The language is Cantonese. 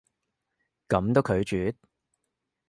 噉都拒絕？